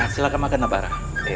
silahkan makan nabara